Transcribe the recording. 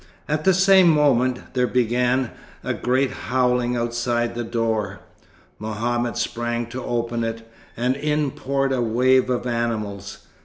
At the same moment, there began a great howling outside the door. Mohammed sprang to open it, and in poured a wave of animals.